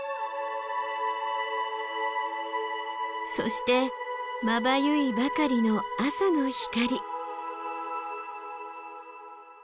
そしてまばゆいばかりの朝の光。